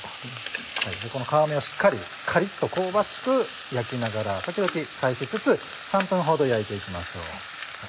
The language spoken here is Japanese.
この皮目をしっかりカリっと香ばしく焼きながらときどき返しつつ３分ほど焼いていきましょう。